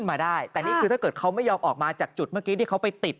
มาได้แต่นี่คือถ้าเกิดเขาไม่ยอมออกมาจากจุดเมื่อกี้ที่เขาไปติด